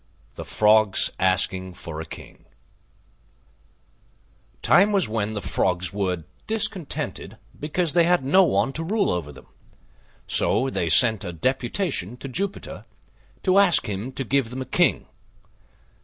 THE FROGS ASKING FOR A KING Time was when the Frogs were discontented because they had no one to rule over them: so they sent a deputation to Jupiter to ask him to give them a King.